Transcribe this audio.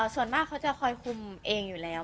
ส่วนมากเขาจะคอยคุมเองอยู่แล้ว